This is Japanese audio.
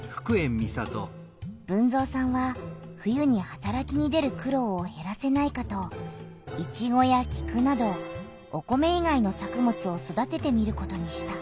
豊造さんは冬にはたらきに出る苦ろうをへらせないかとイチゴやキクなどお米いがいの作物を育ててみることにした。